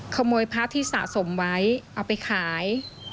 ขโมยพระที่สะสมไว้เอาไปขาย